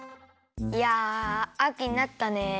いやあきになったね。